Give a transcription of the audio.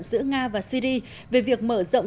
giữa nga và syri về việc mở rộng